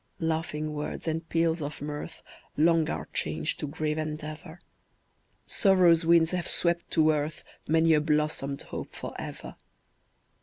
"Laughing words and peals of mirth, Long are changed to grave endeavor; Sorrow's winds have swept to earth Many a blossomed hope forever.